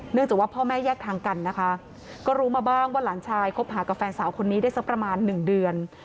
จากว่าพ่อแม่แยกทางกันนะคะก็รู้มาบ้างว่าหลานชายคบหากับแฟนสาวคนนี้ได้สักประมาณหนึ่งเดือน